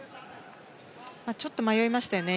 ちょっと迷いましたよね